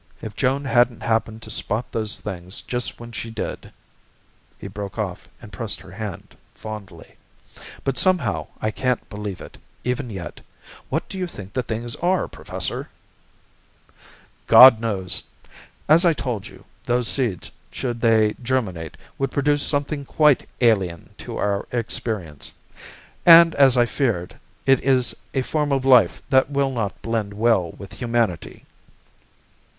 If Joan hadn't happened to spot those things just when she did " He broke off and pressed her hand fondly. "But somehow I can't believe it, even yet. What do you think the things are, Professor?" "God knows! As I told you, those seeds, should they germinate, would produce something quite alien to our experience; and as I feared, it is a form of life that will not blend well with humanity."